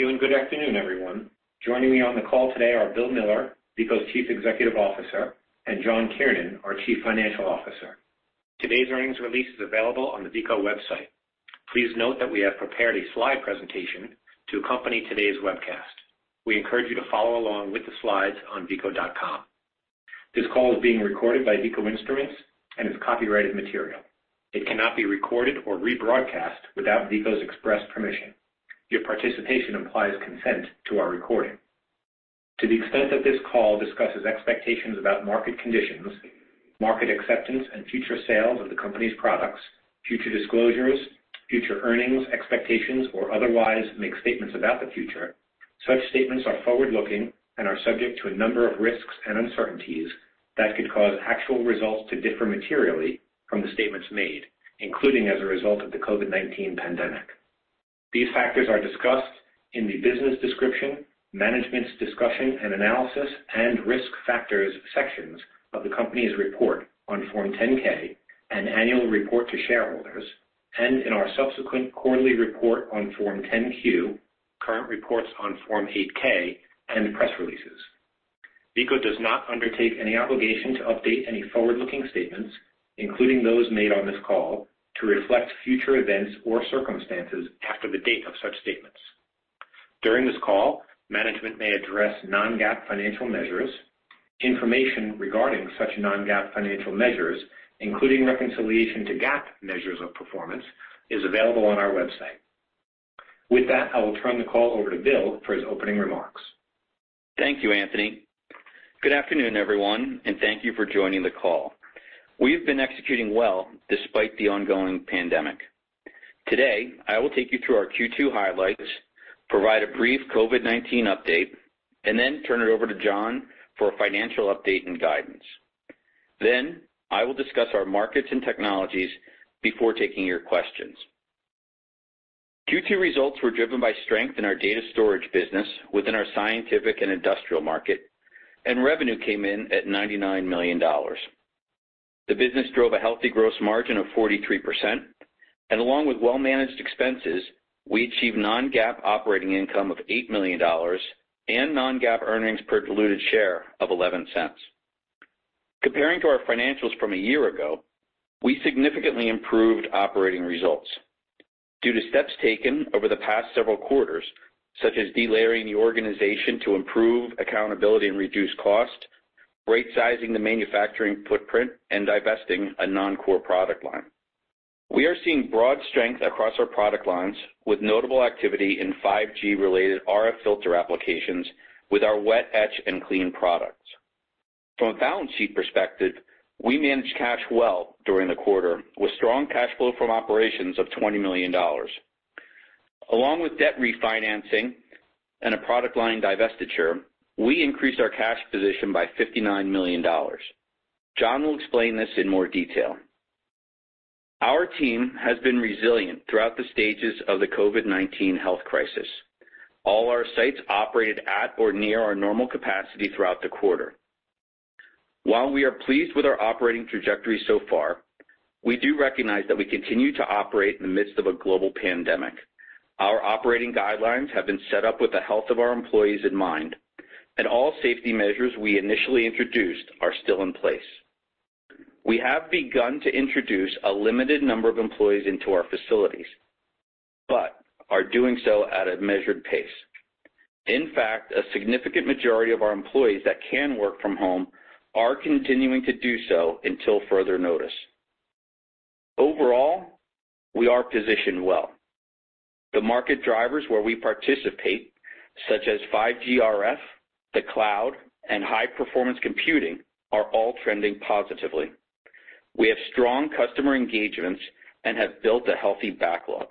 Thank you, and good afternoon, everyone. Joining me on the call today are Bill Miller, Veeco's Chief Executive Officer, and John Kiernan, our Chief Financial Officer. Today's earnings release is available on the Veeco website. Please note that we have prepared a slide presentation to accompany today's webcast. We encourage you to follow along with the slides on veeco.com. This call is being recorded by Veeco Instruments and is copyrighted material. It cannot be recorded or rebroadcast without Veeco's express permission. Your participation implies consent to our recording. To the extent that this call discusses expectations about market conditions, market acceptance, and future sales of the company's products, future disclosures, future earnings expectations, or otherwise makes statements about the future, such statements are forward-looking and are subject to a number of risks and uncertainties that could cause actual results to differ materially from the statements made, including as a result of the COVID-19 pandemic. These factors are discussed in the Business Description, Management's Discussion and Analysis, and Risk Factors sections of the company's report on Form 10-K and annual report to shareholders, and in our subsequent quarterly report on Form 10-Q, current reports on Form 8-K, and press releases. Veeco does not undertake any obligation to update any forward-looking statements, including those made on this call, to reflect future events or circumstances after the date of such statements. During this call, management may address non-GAAP financial measures. Information regarding such non-GAAP financial measures, including reconciliation to GAAP measures of performance, is available on our website. With that, I will turn the call over to Bill for his opening remarks. Thank you, Anthony. Good afternoon, everyone, and thank you for joining the call. We've been executing well despite the ongoing pandemic. Today, I will take you through our Q2 highlights, provide a brief COVID-19 update, and then turn it over to John for a financial update and guidance. I will discuss our markets and technologies before taking your questions. Q2 results were driven by strength in our data storage business within our scientific and industrial market, and revenue came in at $99 million. The business drove a healthy gross margin of 43%, and along with well-managed expenses, we achieved non-GAAP operating income of $8 million and non-GAAP earnings per diluted share of $0.11. Comparing to our financials from a year ago, we significantly improved operating results due to steps taken over the past several quarters, such as delayering the organization to improve accountability and reduce cost, rightsizing the manufacturing footprint, and divesting a non-core product line. We are seeing broad strength across our product lines, with notable activity in 5G-related RF filter applications with our wet etch and clean products. From a balance sheet perspective, we managed cash well during the quarter, with strong cash flow from operations of $20 million. Along with debt refinancing and a product line divestiture, we increased our cash position by $59 million. John will explain this in more detail. Our team has been resilient throughout the stages of the COVID-19 health crisis. All our sites operated at or near our normal capacity throughout the quarter. While we are pleased with our operating trajectory so far, we do recognize that we continue to operate in the midst of a global pandemic. Our operating guidelines have been set up with the health of our employees in mind, and all safety measures we initially introduced are still in place. We have begun to introduce a limited number of employees into our facilities but are doing so at a measured pace. In fact, a significant majority of our employees that can work from home are continuing to do so until further notice. Overall, we are positioned well. The market drivers where we participate, such as 5G RF, the cloud, and high-performance computing, are all trending positively. We have strong customer engagements and have built a healthy backlog.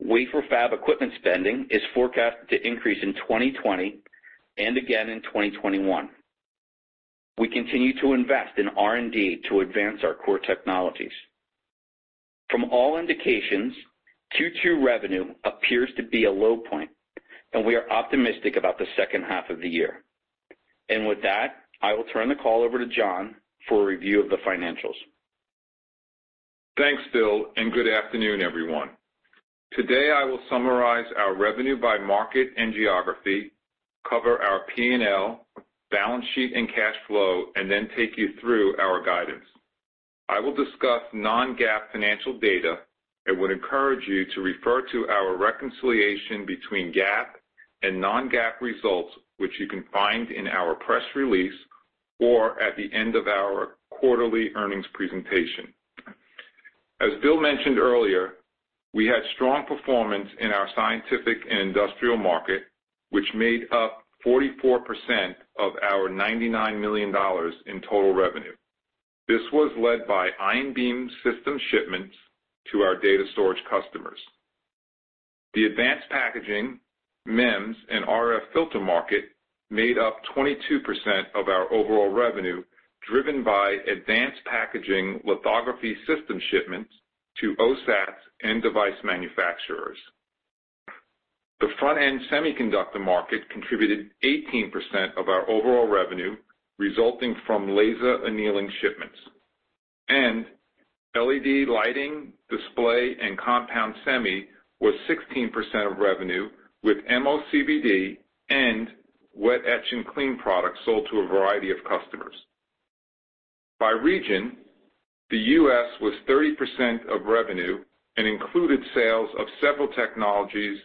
Wafer fab equipment spending is forecasted to increase in 2020 and again in 2021. We continue to invest in R&D to advance our core technologies. From all indications, Q2 revenue appears to be a low point. We are optimistic about the second half of the year. With that, I will turn the call over to John for a review of the financials. Thanks, Bill, and good afternoon, everyone. Today, I will summarize our revenue by market and geography, cover our P&L, balance sheet, and cash flow, and then take you through our guidance. I will discuss non-GAAP financial data and would encourage you to refer to our reconciliation between GAAP and non-GAAP results, which you can find in our press release or at the end of our quarterly earnings presentation. As Bill mentioned earlier, we had strong performance in our scientific and industrial market, which made up 44% of our $99 million in total revenue. This was led by ion beam system shipments to our data storage customers. The advanced packaging, MEMS, and RF filter market made up 22% of our overall revenue, driven by advanced packaging lithography system shipments to OSATs and device manufacturers. The front-end semiconductor market contributed 18% of our overall revenue, resulting from laser annealing shipments. LED lighting, display, and compound semi was 16% of revenue, with MOCVD and wet etch and clean products sold to a variety of customers. By region, the U.S. was 30% of revenue and included sales of several technologies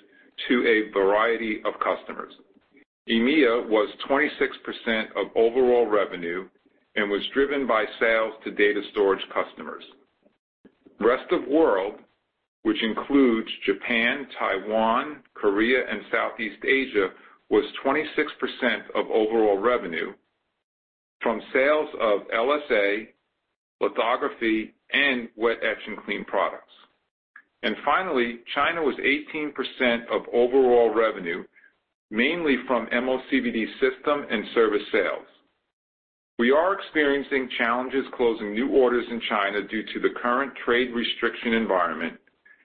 to a variety of customers. EMEA was 26% of overall revenue and was driven by sales to data storage customers. Rest of world, which includes Japan, Taiwan, Korea, and Southeast Asia, was 26% of overall revenue from sales of LSA, lithography, and wet etch and clean products. Finally, China was 18% of overall revenue, mainly from MOCVD system and service sales. We are experiencing challenges closing new orders in China due to the current trade restriction environment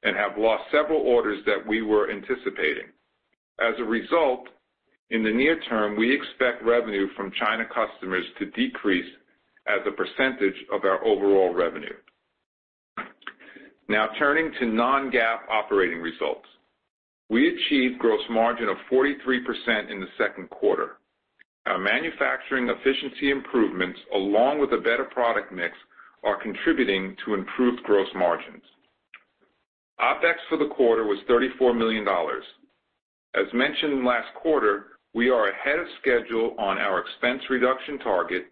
and have lost several orders that we were anticipating. As a result, in the near term, we expect revenue from China customers to decrease as a percentage of our overall revenue. Turning to non-GAAP operating results. We achieved gross margin of 43% in the Q2. Our manufacturing efficiency improvements, along with a better product mix, are contributing to improved gross margins. OpEx for the quarter was $34 million. As mentioned last quarter, we are ahead of schedule on our expense reduction target,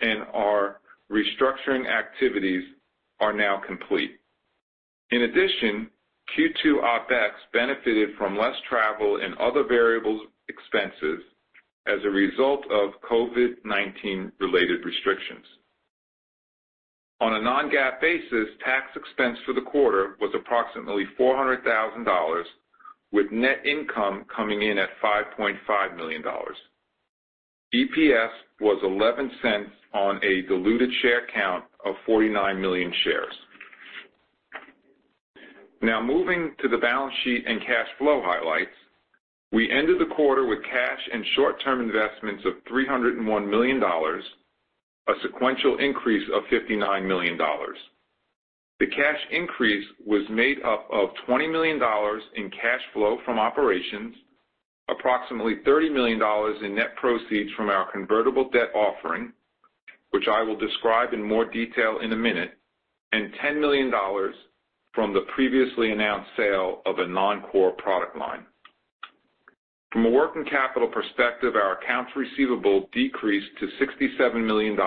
and our restructuring activities are now complete. In addition, Q2 OpEx benefited from less travel and other variable expenses as a result of COVID-19 related restrictions. On a non-GAAP basis, tax expense for the quarter was approximately $400,000, with net income coming in at $5.5 million. EPS was $0.11 on a diluted share count of 49 million shares. Moving to the balance sheet and cash flow highlights. We ended the quarter with cash and short-term investments of $301 million, a sequential increase of $59 million. The cash increase was made up of $20 million in cash flow from operations, approximately $30 million in net proceeds from our convertible debt offering, which I will describe in more detail in a minute, and $10 million from the previously announced sale of a non-core product line. From a working capital perspective, our accounts receivable decreased to $67 million,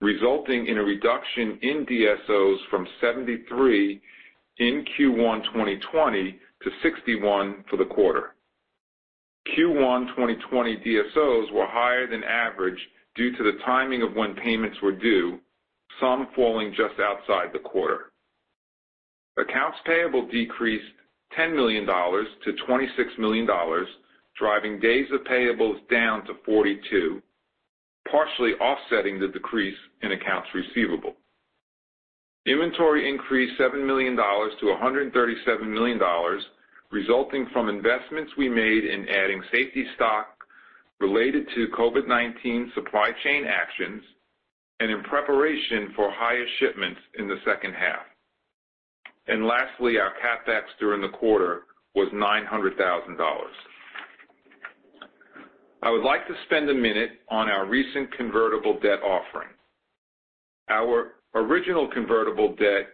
resulting in a reduction in DSOs from 73 in Q1 2020 to 61 for the quarter. Q1 2020 DSOs were higher than average due to the timing of when payments were due, some falling just outside the quarter. Accounts payable decreased $10 million to $26 million, driving days of payables down to 42, partially offsetting the decrease in accounts receivable. Inventory increased $7-$137 million, resulting from investments we made in adding safety stock related to COVID-19 supply chain actions and in preparation for higher shipments in the second half. Lastly, our CapEx during the quarter was $900,000. I would like to spend a minute on our recent convertible debt offering. Our original convertible debt,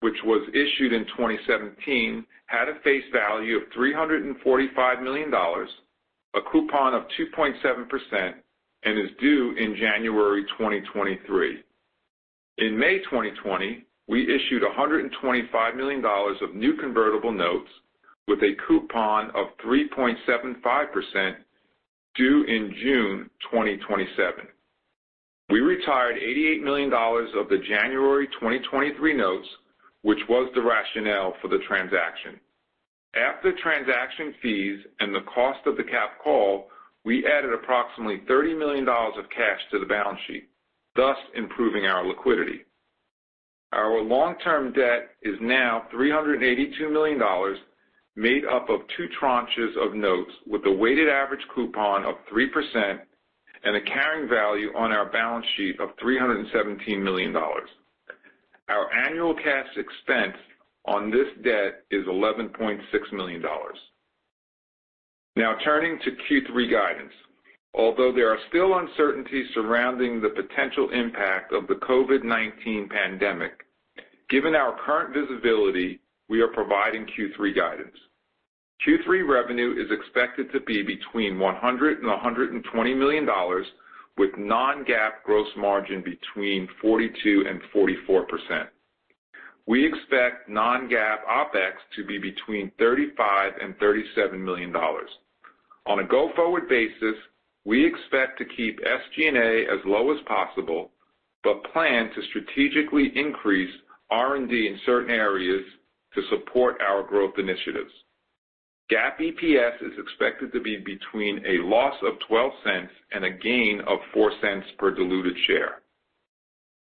which was issued in 2017, had a face value of $345 million, a coupon of 2.7%, and is due in January 2023. In May 2020, we issued $125 million of new convertible notes with a coupon of 3.75% due in June 2027. We retired $88 million of the January 2023 notes, which was the rationale for the transaction. After transaction fees and the cost of the capped call, we added approximately $30 million of cash to the balance sheet, thus improving our liquidity. Our long-term debt is now $382 million, made up of two tranches of notes with a weighted average coupon of 3% and a carrying value on our balance sheet of $317 million. Our annual cash expense on this debt is $11.6 million. Turning to Q3 guidance. Although there are still uncertainties surrounding the potential impact of the COVID-19 pandemic, given our current visibility, we are providing Q3 guidance. Q3 revenue is expected to be between $100 and $120 million, with non-GAAP gross margin between 42% and 44%. We expect non-GAAP OpEx to be between $35 and $37 million. On a go-forward basis, we expect to keep SG&A as low as possible, but plan to strategically increase R&D in certain areas to support our growth initiatives. GAAP EPS is expected to be between a loss of $0.12 and a gain of $0.04 per diluted share.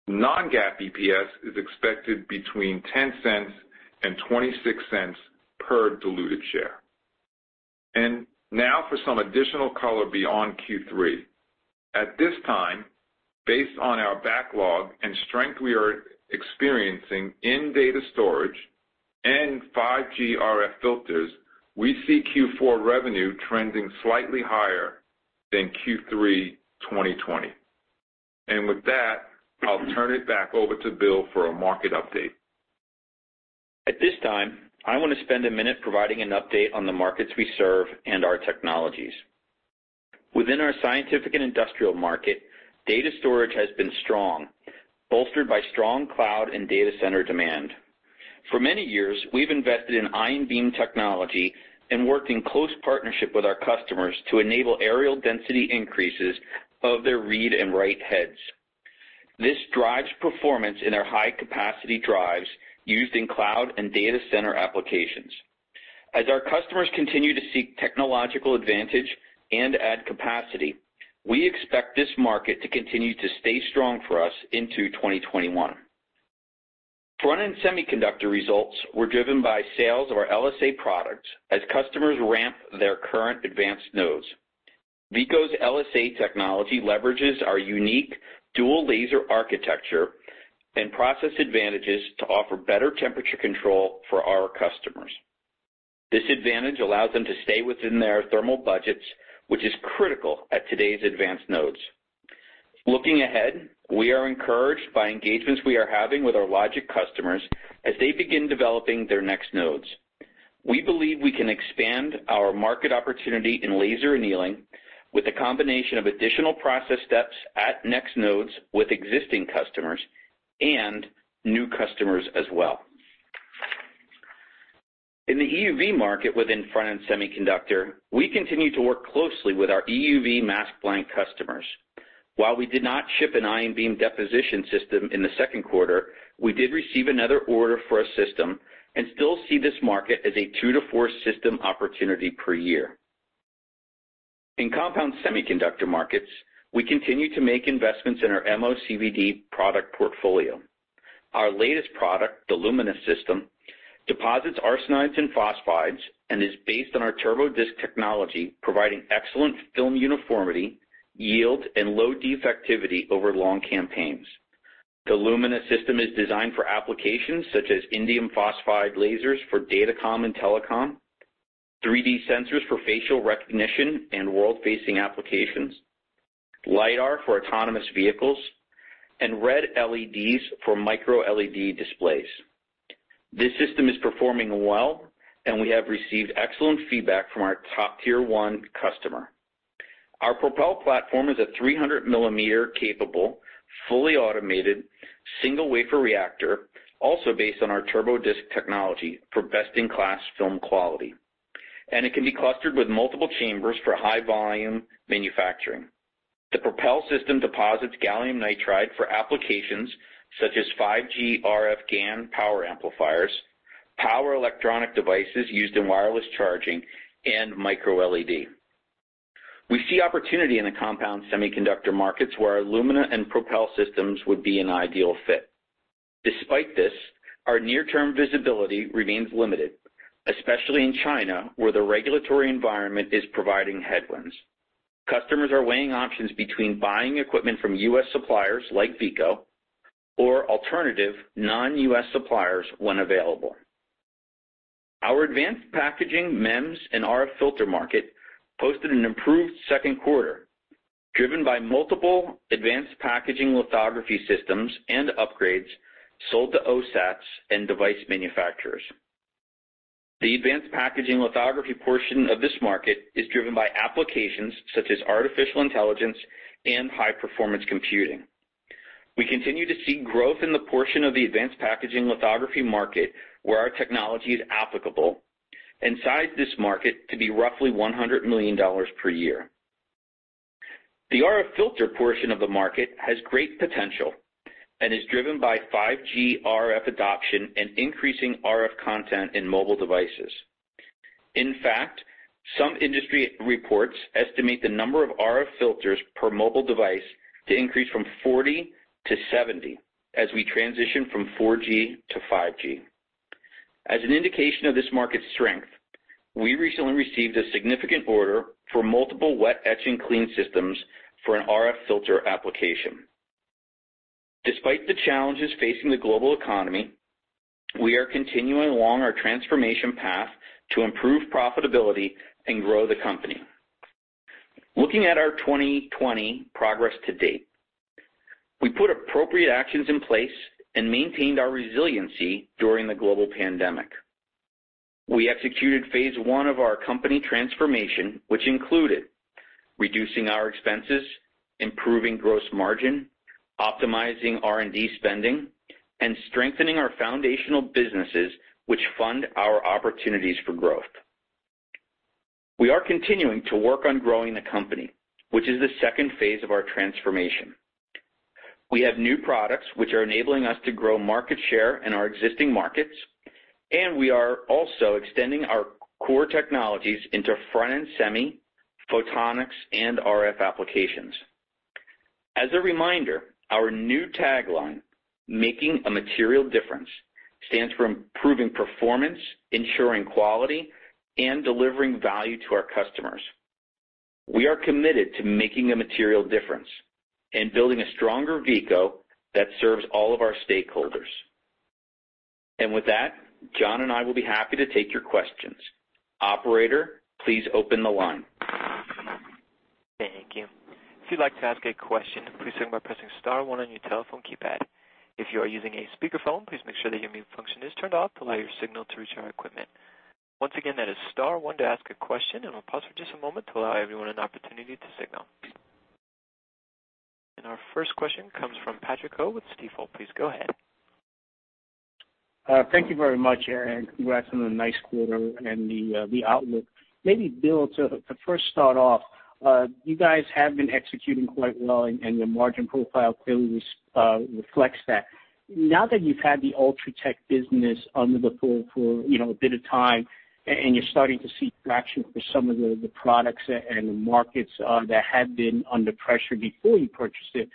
Non-GAAP EPS is expected between $0.10 and $0.26 per diluted share. Now for some additional color beyond Q3. At this time, based on our backlog and strength we are experiencing in data storage and 5G RF filters, we see Q4 revenue trending slightly higher than Q3 2020. With that, I'll turn it back over to Bill for a market update. At this time, I want to spend a minute providing an update on the markets we serve and our technologies. Within our scientific and industrial market, data storage has been strong, bolstered by strong cloud and data center demand. For many years, we've invested in ion beam technology and worked in close partnership with our customers to enable areal density increases of their read and write heads. This drives performance in our high-capacity drives used in cloud and data center applications. As our customers continue to seek technological advantage and add capacity, we expect this market to continue to stay strong for us into 2021. Front-end semiconductor results were driven by sales of our LSA products as customers ramp their current advanced nodes. Veeco's LSA technology leverages our unique dual laser architecture and process advantages to offer better temperature control for our customers. This advantage allows them to stay within their thermal budgets, which is critical at today's advanced nodes. Looking ahead, we are encouraged by engagements we are having with our logic customers as they begin developing their next nodes. We believe we can expand our market opportunity in laser annealing with the combination of additional process steps at next nodes with existing customers and new customers as well. In the EUV market within front-end semiconductor, we continue to work closely with our EUV mask blank customers. While we did not ship an ion beam deposition system in the Q2, we did receive another order for a system and still see this market as a two to four system opportunity per year. In compound semiconductor markets, we continue to make investments in our MOCVD product portfolio. Our latest product, the Lumina System, deposits arsenides and phosphides and is based on our TurboDisc technology, providing excellent film uniformity, yield, and low defectivity over long campaigns. The Lumina System is designed for applications such as indium phosphide lasers for datacom and telecom, 3D sensors for facial recognition and world-facing applications, LiDAR for autonomous vehicles, and red LEDs for MicroLED displays. This system is performing well, and we have received excellent feedback from our top tier 1 customer. Our Propel platform is a 300-millimeter capable, fully automated, single wafer reactor, also based on our TurboDisc technology for best-in-class film quality, and it can be clustered with multiple chambers for high volume manufacturing. The Propel System deposits gallium nitride for applications such as 5G RF GaN power amplifiers, power electronic devices used in wireless charging, and MicroLED. We see opportunity in the compound semiconductor markets where our Lumina and Propel systems would be an ideal fit. Despite this, our near-term visibility remains limited, especially in China, where the regulatory environment is providing headwinds. Customers are weighing options between buying equipment from U.S. suppliers like Veeco or alternative non-U.S. suppliers when available. Our advanced packaging MEMS and RF filter market posted an improved Q2, driven by multiple advanced packaging lithography systems and upgrades sold to OSATs and device manufacturers. The advanced packaging lithography portion of this market is driven by applications such as artificial intelligence and high-performance computing. We continue to see growth in the portion of the advanced packaging lithography market where our technology is applicable and size this market to be roughly $100 million per year. The RF filter portion of the market has great potential and is driven by 5G RF adoption and increasing RF content in mobile devices. In fact, some industry reports estimate the number of RF filters per mobile device to increase from 40-70 as we transition from 4G to 5G. As an indication of this market's strength, we recently received a significant order for multiple wet etch and clean systems for an RF filter application. Despite the challenges facing the global economy, we are continuing along our transformation path to improve profitability and grow the company. Looking at our 2020 progress to date, we put appropriate actions in place and maintained our resiliency during the global pandemic. We executed phase one of our company transformation, which included reducing our expenses, improving gross margin, optimizing R&D spending, and strengthening our foundational businesses, which fund our opportunities for growth. We are continuing to work on growing the company, which is the second phase of our transformation. We have new products which are enabling us to grow market share in our existing markets. We are also extending our core technologies into front-end semi, photonics, and RF applications. As a reminder, our new tagline, "Making a Material Difference," stands for improving performance, ensuring quality, and delivering value to our customers. We are committed to making a material difference and building a stronger Veeco that serves all of our stakeholders. With that, John and I will be happy to take your questions. Operator, please open the line. Thank you. If you'd like to ask a question, please begin by pressing star one on your telephone keypad. If you are using a speakerphone, please make sure that your mute function is turned off to allow your signal to reach our equipment. Once again, that is star one to ask a question. We'll pause for just a moment to allow everyone an opportunity to signal. Our first question comes from Patrick Ho with Stifel. Please go ahead. Thank you very much, Eric. Congrats on the nice quarter and the outlook. Maybe Bill, to first start off, you guys have been executing quite well, and your margin profile clearly reflects that. Now that you've had the Ultratech business under the fold for a bit of time, and you're starting to see traction for some of the products and the markets that had been under pressure before you purchased it,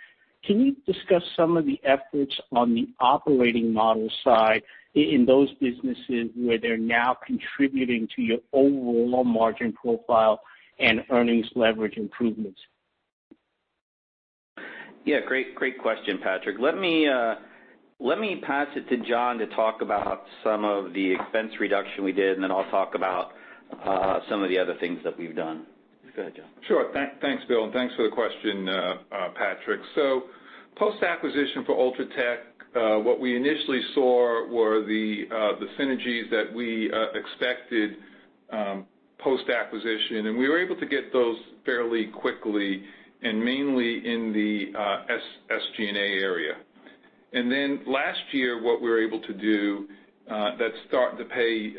can you discuss some of the efforts on the operating model side in those businesses where they're now contributing to your overall margin profile and earnings leverage improvements? Yeah. Great question, Patrick. Let me pass it to John to talk about some of the expense reduction we did, and then I'll talk about some of the other things that we've done. Go ahead, John. Sure. Thanks, Bill, thanks for the question, Patrick. Post-acquisition for Ultratech, what we initially saw were the synergies that we expected post-acquisition, and we were able to get those fairly quickly, and mainly in the SG&A area. Last year, what we were able to do that started to pay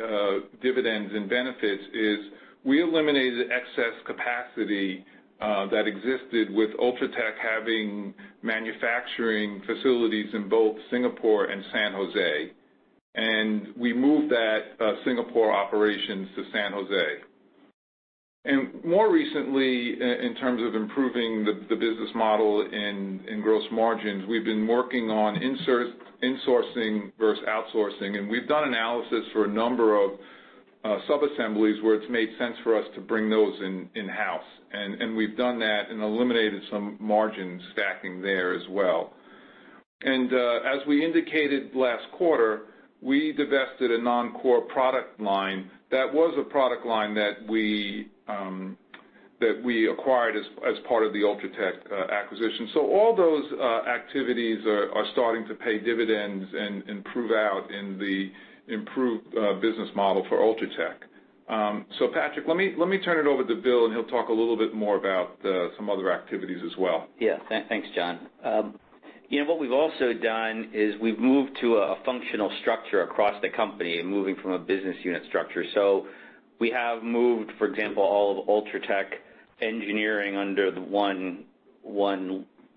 dividends and benefits is we eliminated excess capacity that existed with Ultratech having manufacturing facilities in both Singapore and San Jose, and we moved that Singapore operations to San Jose. More recently, in terms of improving the business model in gross margins, we've been working on insourcing versus outsourcing, and we've done analysis for a number of sub-assemblies where it's made sense for us to bring those in-house, and we've done that and eliminated some margin stacking there as well. As we indicated last quarter, we divested a non-core product line that was a product line that we acquired as part of the Ultratech acquisition. All those activities are starting to pay dividends and prove out in the improved business model for Ultratech. Patrick, let me turn it over to Bill, and he'll talk a little bit more about some other activities as well. Yeah. Thanks, John. What we've also done is we've moved to a functional structure across the company, moving from a business unit structure. We have moved, for example, all of Ultratech engineering under one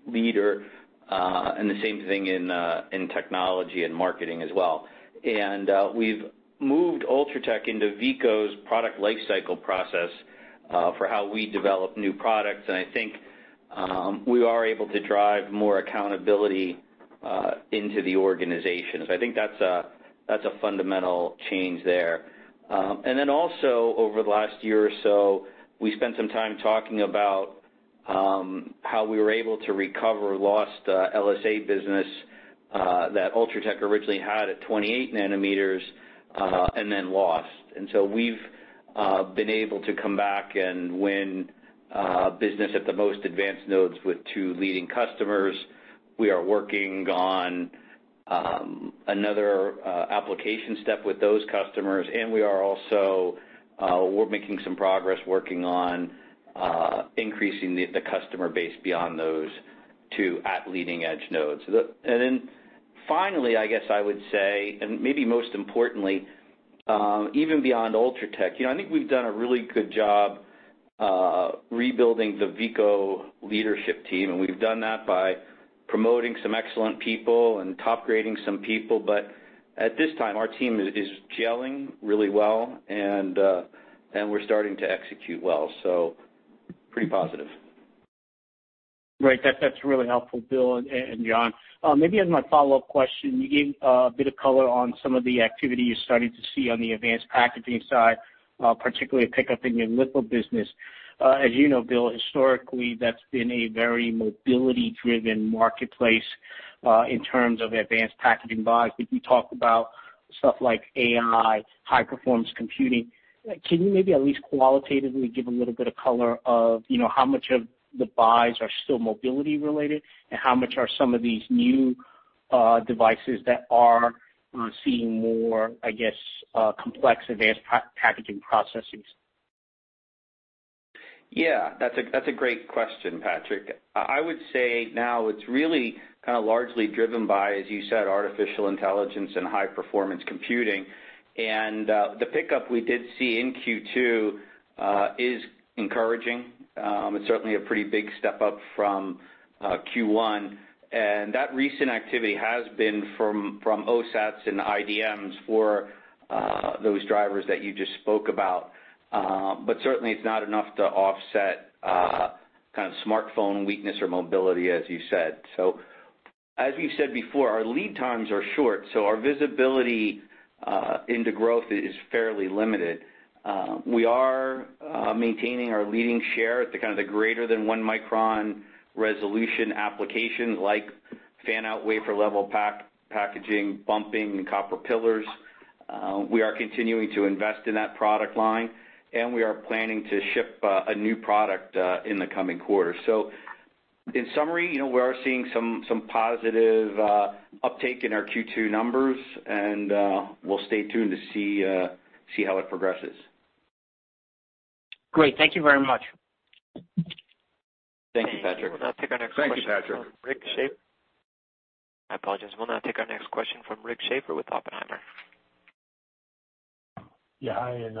leader, and the same thing in technology and marketing as well. We've moved Ultratech into Veeco's product lifecycle process for how we develop new products, and I think we are able to drive more accountability into the organization. I think that's a fundamental change there. Also over the last year or so, we spent some time talking about how we were able to recover lost LSA business that Ultratech originally had at 28 nanometers, and then lost. We've been able to come back and win business at the most advanced nodes with two leading customers. We are working on another application step with those customers. We're making some progress working on increasing the customer base beyond those two at leading-edge nodes. Finally, I guess I would say, maybe most importantly, even beyond Ultratech, I think we've done a really good job rebuilding the Veeco leadership team. We've done that by promoting some excellent people and top-grading some people. At this time, our team is gelling really well, and we're starting to execute well, pretty positive. Right. That's really helpful, Bill and John. Maybe as my follow-up question, you gave a bit of color on some of the activity you're starting to see on the advanced packaging side, particularly a pickup in your litho business. As you know, Bill, historically, that's been a very mobility-driven marketplace in terms of advanced packaging buys, but you talked about stuff like AI, high-performance computing. Can you maybe at least qualitatively give a little bit of color of how much of the buys are still mobility related, and how much are some of these new devices that are seeing more, I guess, complex advanced packaging processes? That's a great question, Patrick. I would say now it's really kind of largely driven by, as you said, artificial intelligence and high-performance computing. The pickup we did see in Q2 is encouraging. It's certainly a pretty big step up from Q1. That recent activity has been from OSATs and IDMs for those drivers that you just spoke about. Certainly it's not enough to offset smartphone weakness or mobility, as you said. As we've said before, our lead times are short, so our visibility into growth is fairly limited. We are maintaining our leading share at the greater than one micron resolution applications like fan-out wafer-level packaging, bumping, and copper pillars. We are continuing to invest in that product line, and we are planning to ship a new product in the coming quarter. In summary, we are seeing some positive uptake in our Q2 numbers, and we'll stay tuned to see how it progresses. Great. Thank you very much. Thank you, Patrick. Thank you, Patrick. I apologize. We'll now take our next question from Rick Schafer with Oppenheimer. Yeah. Hi, and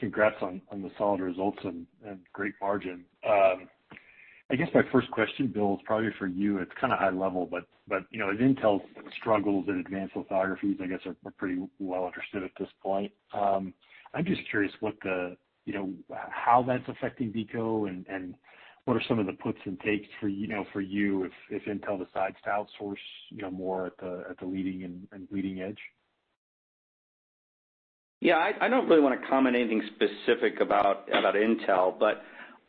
congrats on the solid results and great margin. I guess my first question, Bill, is probably for you. It's kind of high level, but as Intel struggles in advanced lithography, I guess are pretty well understood at this point. I'm just curious how that's affecting Veeco and what are some of the puts and takes for you if Intel decides to outsource more at the leading edge. Yeah. I don't really want to comment anything specific about Intel.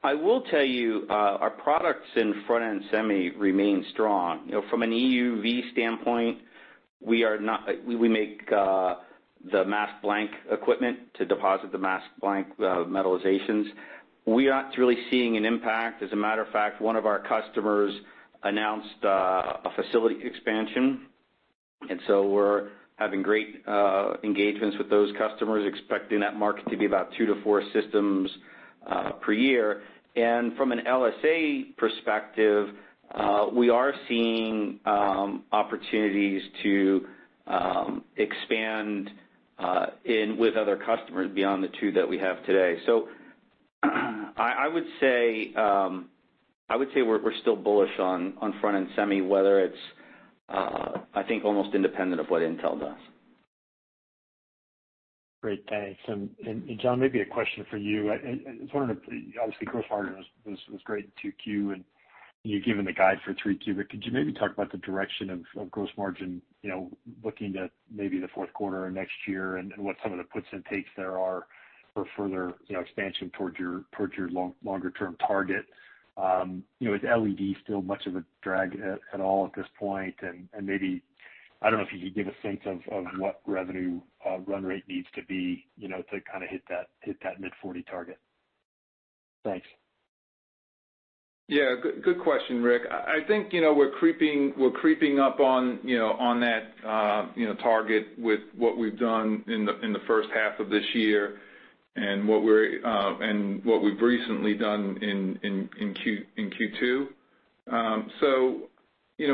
I will tell you, our products in front-end semi remain strong. From an EUV standpoint, we make the mask blank equipment to deposit the mask blank metallization. We're not really seeing an impact. As a matter of fact, one of our customers announced a facility expansion, we're having great engagements with those customers, expecting that market to be about two to four systems per year. From an LSA perspective, we are seeing opportunities to expand with other customers beyond the two that we have today. I would say we're still bullish on front-end semi, whether it's, I think, almost independent of what Intel does. Great. Thanks. John, maybe a question for you. I was wondering, obviously, gross margin was great in 2Q, and you've given the guide for 3Q, but could you maybe talk about the direction of gross margin looking at maybe the Q4 or next year and what some of the puts and takes there are for further expansion towards your longer-term target? Is LED still much of a drag at all at this point? Maybe, I don't know if you could give a sense of what revenue run rate needs to be to kind of hit that mid-40 target. Thanks. Yeah. Good question, Rick. I think we're creeping up on that target with what we've done in the first half of this year and what we've recently done in Q2.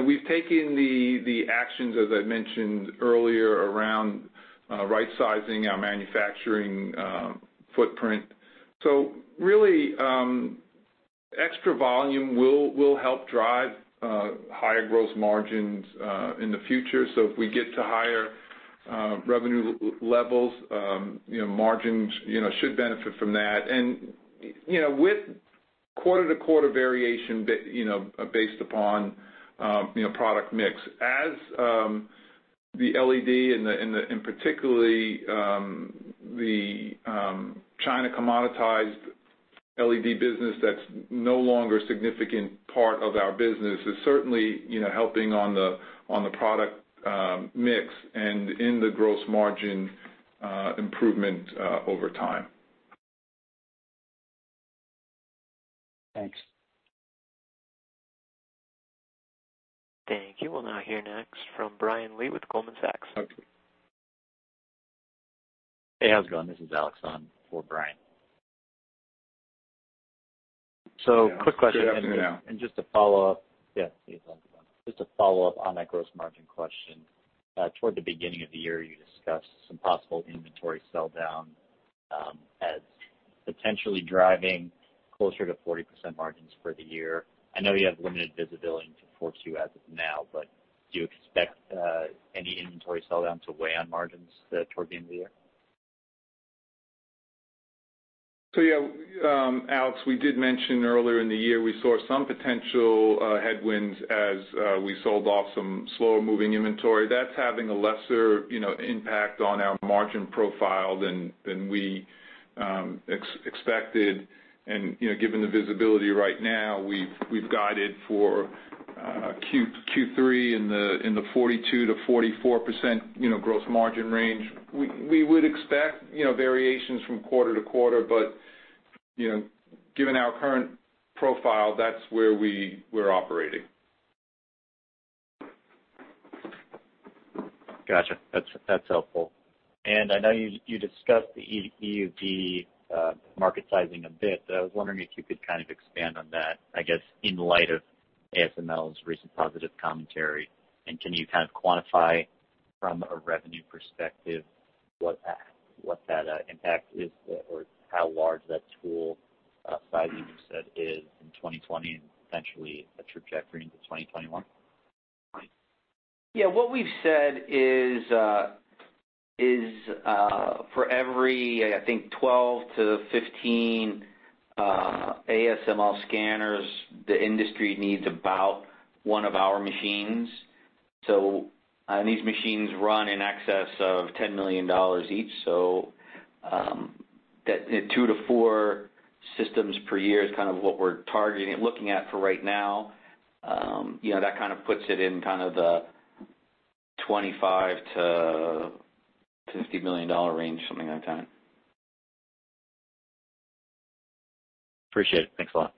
We've taken the actions, as I mentioned earlier, around right-sizing our manufacturing footprint. Really, extra volume will help drive higher gross margins in the future. If we get to higher revenue levels, margins should benefit from that. With quarter-to-quarter variation based upon product mix, as the LED, and particularly the China commoditized LED business that's no longer a significant part of our business, is certainly helping on the product mix and in the gross margin improvement over time. Thanks. Thank you. We'll now hear next from Brian Lee with Goldman Sachs. Hey, how's it going? This is Alex on for Brian. Quick question. Good afternoon. Just to follow up, yeah. Just a follow-up on that gross margin question. Toward the beginning of the year, you discussed some possible inventory sell down as potentially driving closer to 40% margins for the year. I know you have limited visibility into 4Q as of now, but do you expect any inventory sell down to weigh on margins toward the end of the year? Yeah, Alex, we did mention earlier in the year we saw some potential headwinds as we sold off some slower-moving inventory. That's having a lesser impact on our margin profile than we expected. Given the visibility right now, we've guided for Q3 in the 42%-44% gross margin range. We would expect variations from quarter-to-quarter. Given our current profile, that's where we're operating. Got you. That's helpful. I know you discussed the EUV market sizing a bit, but I was wondering if you could kind of expand on that, I guess, in light of ASML's recent positive commentary. Can you kind of quantify from a revenue perspective what that impact is or how large that tool size you just said is in 2020 and potentially a trajectory into 2021? Yeah. What we've said is for every, I think, 12-15 ASML scanners, the industry needs about one of our machines. These machines run in excess of $10 million each, two to four systems per year is kind of what we're targeting and looking at for right now. That kind of puts it in the $25-$50 million range, something like that. Appreciate it. Thanks a lot.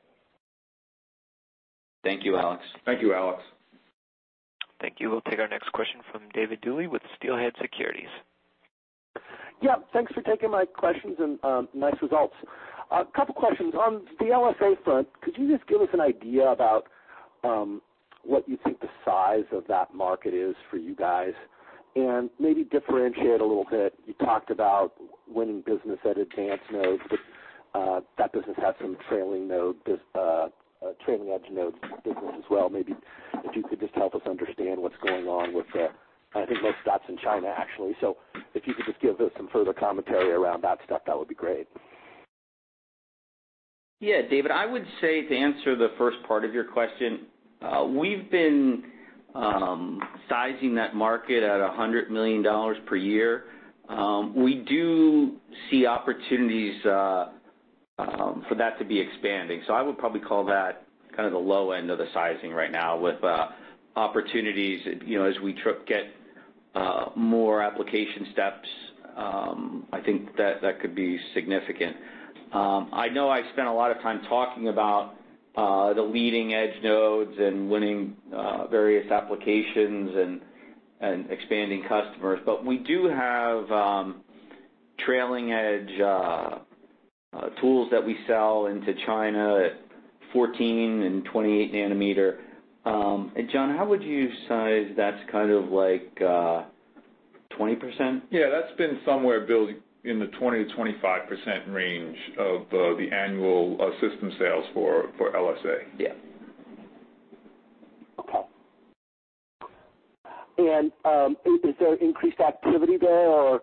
Thank you, Alex. Thank you, Alex. Thank you. We'll take our next question from David Duley with Steelhead Securities. Yeah. Thanks for taking my questions and nice results. A couple questions. On the LSA front, could you just give us an idea about what you think the size of that market is for you guys, and maybe differentiate a little bit? You talked about winning business at advanced nodes, but that business has some trailing edge nodes business as well. Maybe if you could just help us understand what's going on with the, I think most of that's in China, actually. If you could just give us some further commentary around that stuff, that would be great. Yeah, David, I would say, to answer the first part of your question, we've been sizing that market at $100 million per year. We do see opportunities for that to be expanding. I would probably call that kind of the low end of the sizing right now with opportunities as we get more application steps. I think that could be significant. I know I've spent a lot of time talking about the leading edge nodes and winning various applications and expanding customers, we do have trailing edge tools that we sell into China, 14 and 28 nanometer. John, how would you size that to kind of like 20%? Yeah, that's been somewhere, Bill, in the 20%-25% range of the annual system sales for LSA. Yeah. Okay. Is there increased activity there, or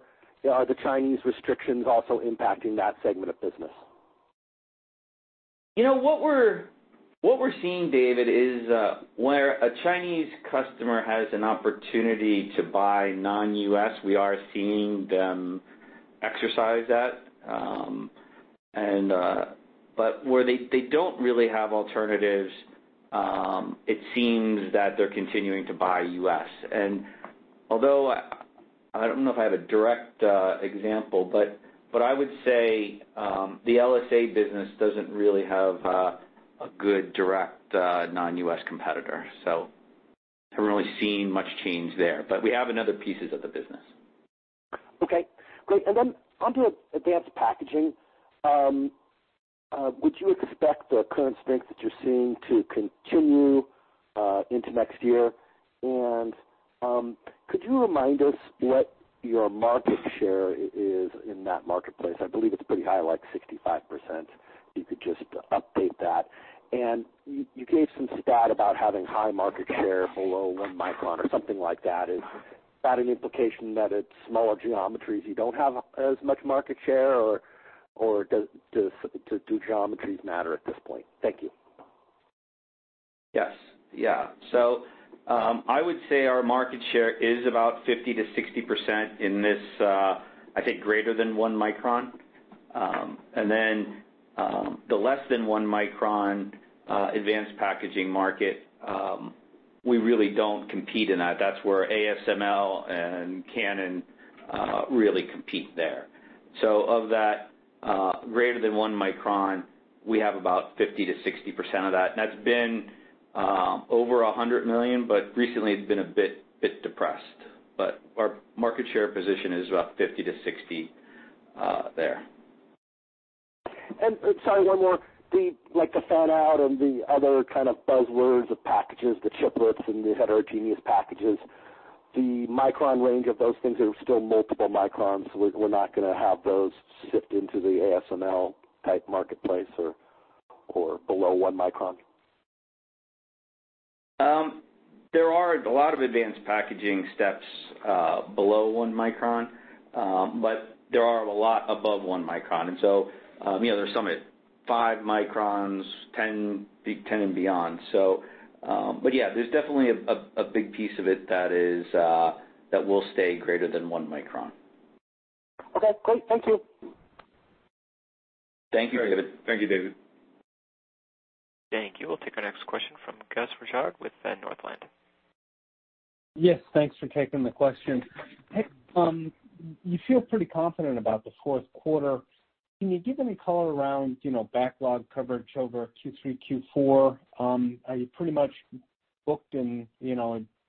are the Chinese restrictions also impacting that segment of business? What we're seeing, David, is where a Chinese customer has an opportunity to buy non-U.S., we are seeing them exercise that. Where they don't really have alternatives, it seems that they're continuing to buy U.S. Although I don't know if I have a direct example, but I would say the LSA business doesn't really have a good direct non-U.S. competitor. Haven't really seen much change there, but we have in other pieces of the business. Okay, great. On to advanced packaging. Would you expect the current strength that you're seeing to continue into next year? Could you remind us what your market share is in that marketplace? I believe it's pretty high, like 65%. If you could just update that. You gave some stat about having high market share below one micron or something like that. Is that an implication that at smaller geometries you don't have as much market share, or do geometries matter at this point? Thank you. Yes. Yeah. I would say our market share is about 50% -60% in this, I think, greater than one micron. The less than one micron advanced packaging market, we really don't compete in that. That's where ASML and Canon really compete there. Of that greater than one micron, we have about 50%-60% of that. That's been over $100 million, but recently it's been a bit depressed. Our market share position is about 50%-60% there. Sorry, one more. The fan-out and the other kind of buzzwords, the packages, the chiplets, and the heterogeneous packages, the micron range of those things are still multiple microns. We're not going to have those shift into the ASML type marketplace or below one micron? There are a lot of advanced packaging steps below one micron. There are a lot above one micron. There's some at five microns, 10, and beyond. Yeah, there's definitely a big piece of it that will stay greater than one micron. Okay, great. Thank you. Thank you, David. Thank you, David. Thank you. We'll take our next question from Gus Richard with Northland. Yes, thanks for taking the question. You feel pretty confident about the Q4. Can you give any color around backlog coverage over Q3, Q4? Are you pretty much booked in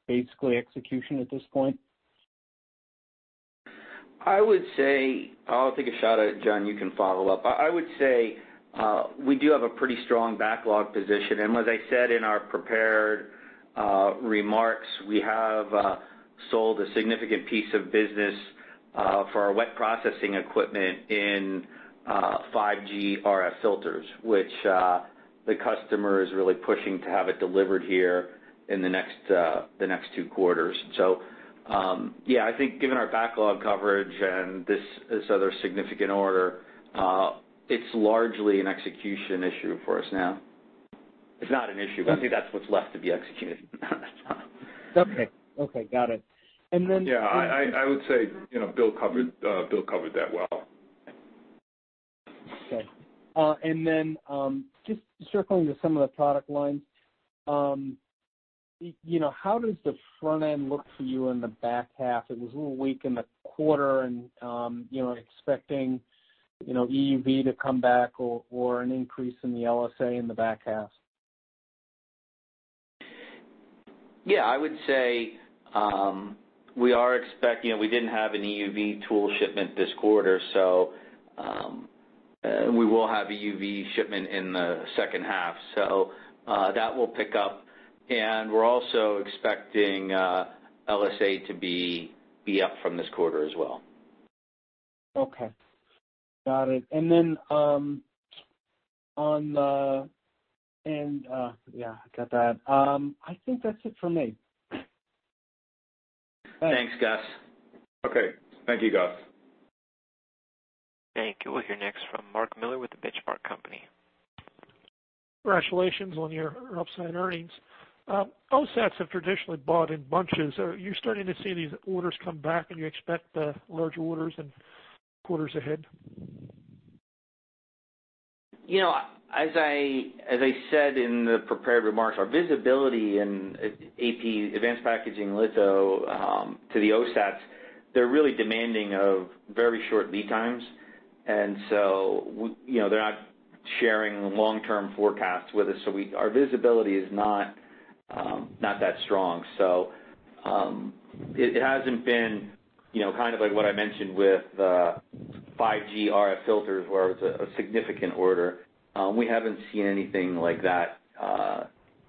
basically execution at this point? I would say, I'll take a shot at it, John, you can follow up. I would say we do have a pretty strong backlog position. As I said in our prepared remarks, we have sold a significant piece of business for our wet processing equipment in 5G RF filters, which the customer is really pushing to have it delivered here in the next two quarters. Yeah, I think given our backlog coverage and this other significant order, it's largely an execution issue for us now. It's not an issue, but I think that's what's left to be executed. That's fine. Okay. Got it. Yeah, I would say Bill covered that well. Okay. Just circling to some of the product lines, how does the front end look for you in the back half? It was a little weak in the quarter and expecting EUV to come back or an increase in the LSA in the back half. I would say we are expecting we didn't have an EUV tool shipment this quarter. We will have EUV shipment in the second half. That will pick up, and we're also expecting LSA to be up from this quarter as well. Okay, got it. Then, I think that's it for me. Thanks, Gus. Okay. Thank you, Gus. Thank you. We'll hear next from Mark Miller with The Benchmark Company. Congratulations on your upside earnings. OSATs have traditionally bought in bunches. Are you starting to see these orders come back, and you expect larger orders in quarters ahead? As I said in the prepared remarks, our visibility in AP, advanced packaging litho to the OSATs, they're really demanding of very short lead times. They're not sharing long-term forecasts with us, our visibility is not that strong. It hasn't been kind of like what I mentioned with the 5G RF filters, where it was a significant order. We haven't seen anything like that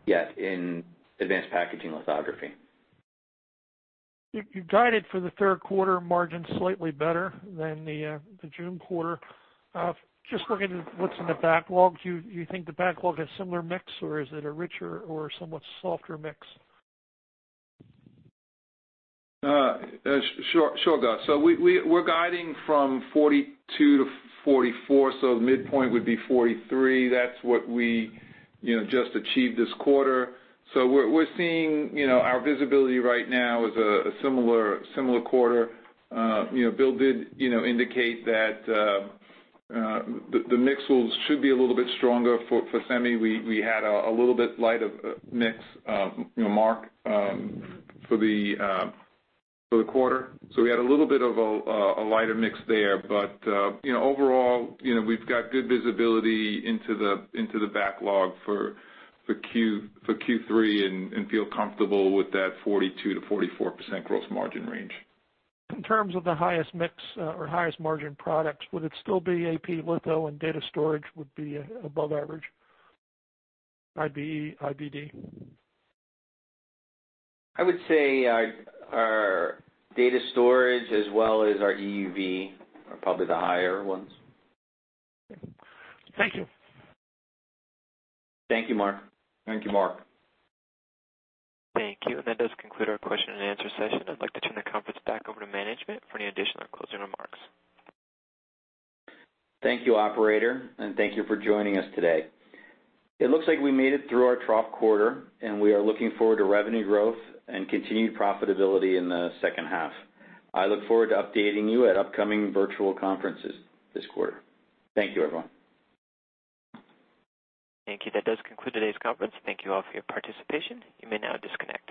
yet in advanced packaging lithography. You guided for the Q3 margin slightly better than the June quarter. Just looking at what's in the backlog, do you think the backlog has similar mix, or is it a richer or somewhat softer mix? Sure, Gus. We're guiding from 42%-44%, the midpoint would be 43%. That's what we just achieved this quarter. We're seeing our visibility right now is a similar quarter. Bill did indicate that the mix should be a little bit stronger for semi. We had a little bit lighter mix, Mark, for the quarter. We had a little bit of a lighter mix there. Overall, we've got good visibility into the backlog for Q3 and feel comfortable with that 42%-44% gross margin range. In terms of the highest mix or highest margin products, would it still be AP litho and data storage would be above average IBE, IBD? I would say our data storage as well as our EUV are probably the higher ones. Thank you. Thank you, Mark. Thank you, Mark. Thank you. That does conclude our question-and-answer session. I'd like to turn the conference back over to management for any additional closing remarks. Thank you, operator, and thank you for joining us today. It looks like we made it through our trough quarter, and we are looking forward to revenue growth and continued profitability in the second half. I look forward to updating you at upcoming virtual conferences this quarter. Thank you, everyone. Thank you. That does conclude today's conference. Thank you all for your participation. You may now disconnect.